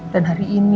dan hari ini